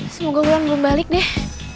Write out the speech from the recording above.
semoga gue belum balik deh